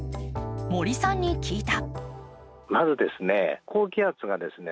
森さんに聞いた。